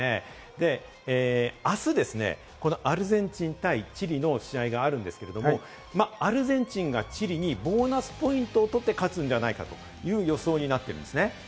で、あすアルゼンチン対チリの試合があるんですけれども、アルゼンチンがチリにボーナスポイントを取って、勝つんじゃないかという予想になってるんですね。